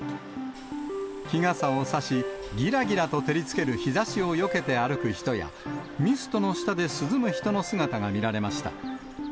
日傘を差し、ぎらぎらと照りつける日ざしをよけて歩く人や、ミストの下で涼む人の姿が見られました。